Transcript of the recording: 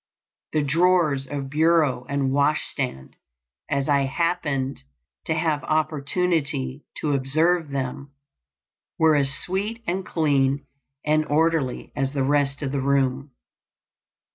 The drawers of bureau and wash stand, as I happened to have opportunity to observe them, were as sweet and clean and orderly as the rest of the room.